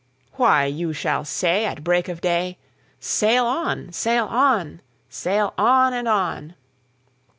"Why, you shall say at break of day,'Sail on! sail on! sail on! and on!